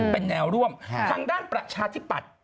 เป็นแนวร่วมทางด้านประชาธิปัตย์